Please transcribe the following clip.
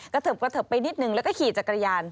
กระเถิบไปนิดหนึ่งแล้วก็ขี่จักรยาน